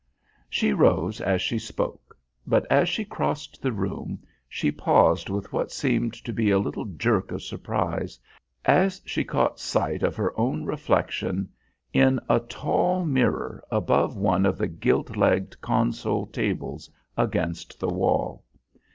She rose as she spoke, but as she crossed the room, she paused with what seemed to be a little jerk of surprise as she caught sight of her own reflection in a tall mirror above one of the gilt legged console tables against the wall.